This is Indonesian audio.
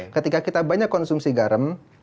ketika kita banyak konsumsi garam